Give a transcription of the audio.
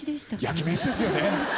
焼き飯ですよね。